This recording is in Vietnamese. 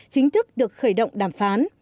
chính thức được khởi động đàm phán